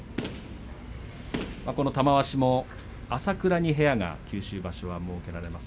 この玉鷲も、朝倉に部屋が九州場所に設けられます。